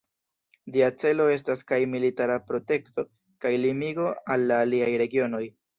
Ĝia celo estas kaj militara protekto, kaj limigo al la aliaj regionoj.